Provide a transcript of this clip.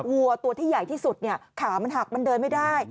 วัวตัวที่ใหญ่ที่สุดขามันหักมันเดินไม่ได้